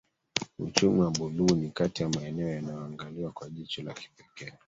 Uchumi wa buluu ni kati ya maeneo yanayoangaliwa kwa jicho la kipekee